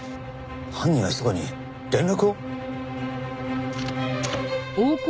犯人がひそかに連絡を？